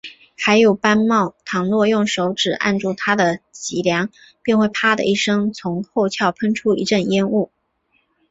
还有斑蝥，倘若用手指按住它的脊梁，便会啪的一声，从后窍喷出一阵烟雾